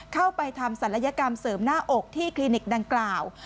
เข้าไปทำศัลยกรรมเสริมหน้าอกที่คลินิกดังกล่าว